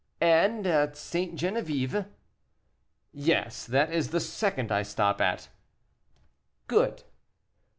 "At St. Geneviève?" "Yes, that is the second I stop at." "Good."